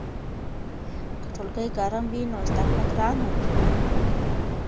که ټولګی ګرم وي نو زده کړه ګرانه وي.